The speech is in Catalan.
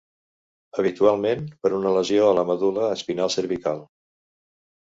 Habitualment per una lesió a la medul·la espinal cervical.